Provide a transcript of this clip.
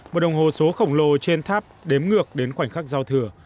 một đồng hồ số khổng lồ trên tháp đếm ngược đến khoảnh khắc giao thừa